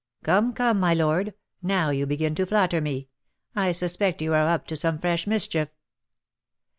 "Come, come, my lord, now you begin to flatter me, I suspect you are up to some fresh mischief."